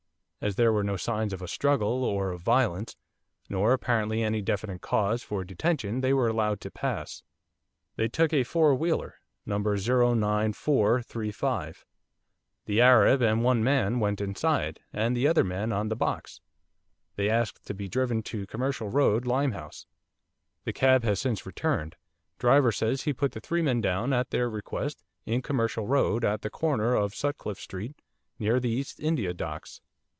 As there were no signs of a struggle or of violence, nor, apparently, any definite cause for detention, they were allowed to pass. They took a four wheeler, No. 09435. The Arab and one man went inside, and the other man on the box. They asked to be driven to Commercial Road, Limehouse. The cab has since returned. Driver says he put the three men down, at their request, in Commercial Road, at the corner of Sutcliffe Street, near the East India Docks.